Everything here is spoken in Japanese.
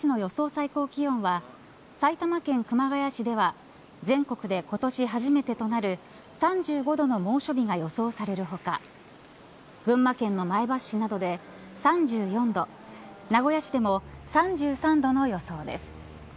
最高気温は埼玉県熊谷市では全国で今年初めてとなる３５度の猛暑日が予想される他群馬県の前橋市などで３４度名古屋市でも３３度の予想です。